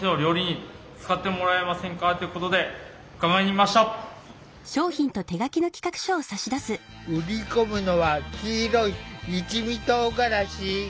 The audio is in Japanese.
きょうは売り込むのは黄色い一味とうがらし。